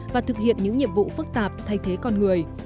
và thực hiện những nhiệm vụ phức tạp thay thế con người